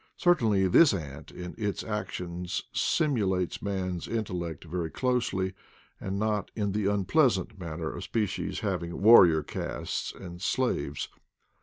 Certainly this ant, in its ac tions, simulates man's intellect very closely, and not in the unpleasant manner of species having warrior castes and slaves.